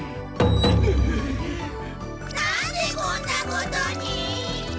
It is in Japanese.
なんでこんなことに？